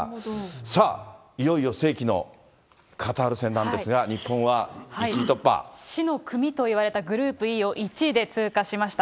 さあ、いよいよ世紀のカタール戦死の組といわれたグループＥを１位で通過しました。